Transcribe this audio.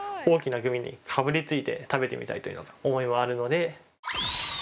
大きなグミにかぶりついて食べてみたいという思いもあるので。